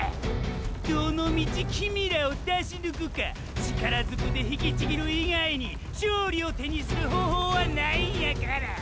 ⁉どのみちキミィらを出しぬくか力ずくで引きちぎる以外に勝利を手にする方法はないんやから！！